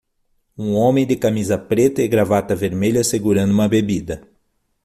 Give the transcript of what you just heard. Um homem de camisa preta e gravata vermelha segurando uma bebida.